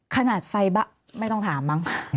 ขนาดไฟบะไม่ต้องถามมั้ง